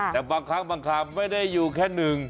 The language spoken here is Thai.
แต่บางครั้งบางคำไม่ได้อยู่แค่หนึ่ง